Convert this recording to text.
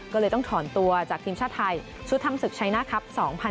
ก็เลยต้องถอนตัวจากทีมชาติไทยชุดทำศึกชัยหน้าครับ๒๐๑๖